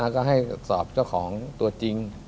ก็ให้สอบเจ้าของตัวจริง